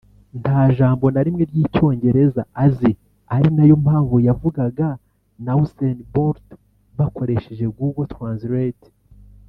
nta jambo na rimwe ry’Icyongereza azi ari nayo mpamvu yavuganaga na Usain Bolt bakoresheje Google Translate